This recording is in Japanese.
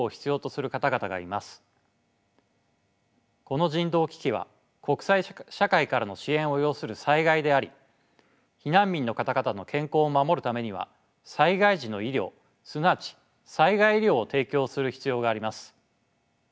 この人道危機は国際社会からの支援を要する災害であり避難民の方々の健康を守るためには災害時の医療すなわち災害医療を提供する必要があります。